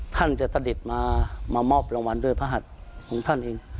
ท่านจะเสด็จมามามอบรางวัลด้วยพระหัสของท่านเอง